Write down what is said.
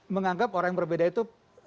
menganggap orang yang berbeda itu